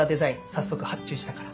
早速発注したから。